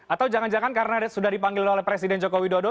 atau jangan jangan karena sudah dipanggil oleh presiden joko widodo